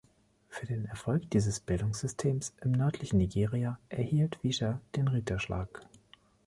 Für den Erfolg dieses Bildungssystem im nördlichen Nigeria erhielt Vischer den Ritterschlag.